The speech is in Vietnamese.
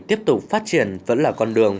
tiếp tục phát triển vẫn là con đường